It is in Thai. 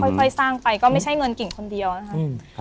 ค่อยสร้างไปก็ไม่ใช่เงินกิ่งคนเดียวนะคะ